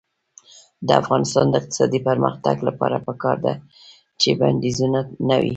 د افغانستان د اقتصادي پرمختګ لپاره پکار ده چې بندیزونه نه وي.